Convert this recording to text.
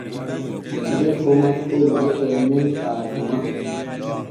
Debbo makko wi'etee nun fatuma.